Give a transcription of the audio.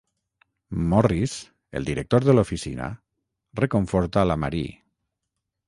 Morris, el director de l'oficina, reconforta la Marie.